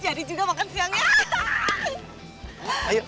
jadi juga makan siangnya